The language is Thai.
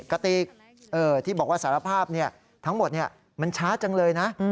กติกที่บอกว่าสารภาพทั้งหมดมันช้าจังเลยนะ